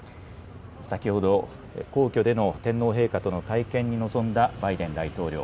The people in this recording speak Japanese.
先ほど皇居での天皇陛下との会見に臨んだバイデン大統領。